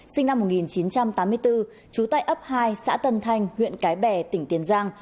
sinh năm một nghìn chín trăm tám mươi bốn trú tại ấp hai xã tân thanh huyện cái bè tỉnh tiền giang